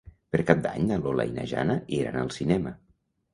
Per Cap d'Any na Lola i na Jana iran al cinema.